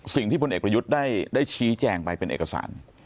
สิ่งที่บนเอกประยุทธ์ได้ได้ชี้แจงไปเป็นเอกสาร